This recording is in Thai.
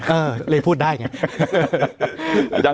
เออเลยพูดได้ไง